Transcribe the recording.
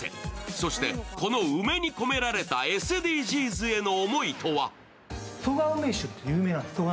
そして、この梅に込められたＳＤＧｓへの思いとは。